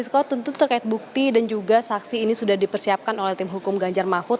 tentu terkait bukti dan juga saksi ini sudah dipersiapkan oleh tim hukum ganjar mahfud